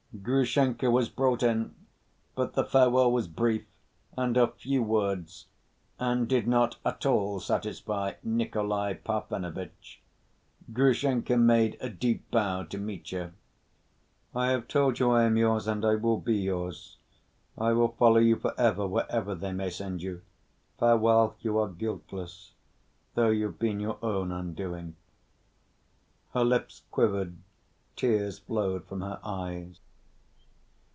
Grushenka was brought in, but the farewell was brief, and of few words, and did not at all satisfy Nikolay Parfenovitch. Grushenka made a deep bow to Mitya. "I have told you I am yours, and I will be yours. I will follow you for ever, wherever they may send you. Farewell; you are guiltless, though you've been your own undoing." Her lips quivered, tears flowed from her eyes.